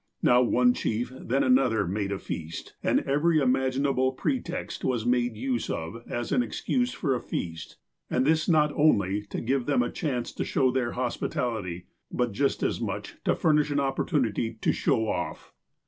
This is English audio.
Now one chief, then another, made a feast, and every imaginable pretext was made use of as an excuse for a feast, and this not only to give them a chance to show their hospitality, but just as much to furnish an op portunity "to show off."